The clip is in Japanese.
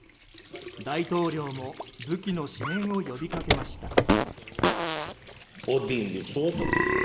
大統領も武器の支援を呼びかけました。